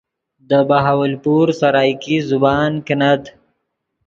دے بہاولپور سرائیکی زبان کینت